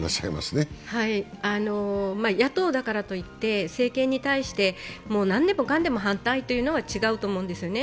野党だからといって政権に対して何でもかんでも反対というのは違うと思うんです。